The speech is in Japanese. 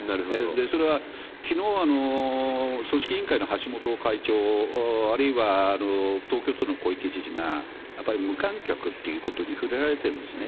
それはきのう、組織委員会の橋本会長、あるいは東京都の小池知事が、やっぱり無観客っていうことに触れられてるんですね。